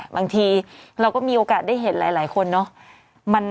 บางทีเราก็มีโอกาสได้เห็นหลายคนเนาะ